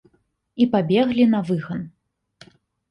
І пабеглі на выган.